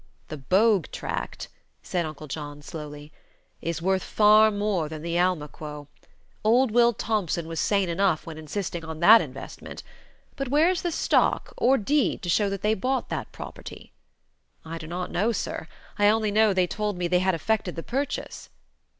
"The Bogue tract," said Uncle John, slowly, "is worth far more than the Almaquo. Old Will Thompson was sane enough when insisting on that investment. But where is the stock, or deed, to show they bought that property?" "I do not know, sir. I only know they told me they had effected the purchase."